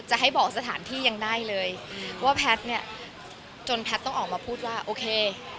ให้บอกสถานที่ยังได้เลยว่าแพทย์เนี่ยจนแพทย์ต้องออกมาพูดว่าโอเค